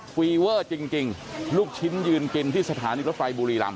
ฟีเวอร์จริงลูกชิ้นยืนกินที่สถานีรถไฟบุรีรำ